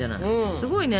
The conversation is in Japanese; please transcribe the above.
すごいね。